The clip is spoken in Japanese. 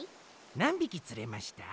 なんびきつれました？